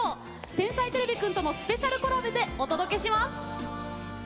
「天才てれびくん」とのスペシャルコラボでお届けします。